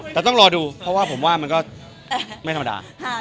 แต่ต้องรอดูเพราะว่าผมว่ามันก็ไม่ธรรมดา